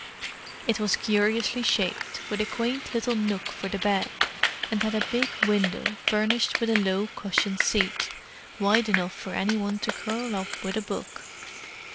It was curiously shaped, with a quaint little nook for the bed, and had a big window furnished with a low cushioned seat, wide enough for any one to curl up with a book.